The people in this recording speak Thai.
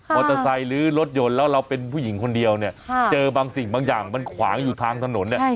หรือรถยนต์แล้วเราเป็นผู้หญิงคนเดียวเนี่ยเจอบางสิ่งบางอย่างมันขวางอยู่ทางถนนเนี่ย